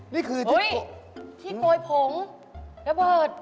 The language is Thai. นี่คือที่โกยอุ๊ยที่โกยผงนับเบิร์ด